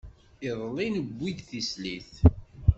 Iḍelli, newwi-d tislit.